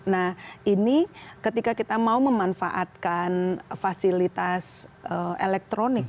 nah ini ketika kita mau memanfaatkan fasilitas elektronik